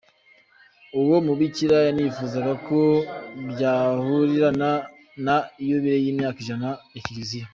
Uwo mubikira yanifuzaga ko byahurirana na Yubile y’imyaka ijana ya Kiliziya.